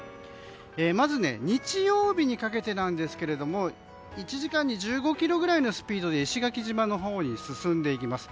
まず、日曜日にかけてですが１時間に１５キロぐらいのスピードで石垣島のほうに進んでいきます。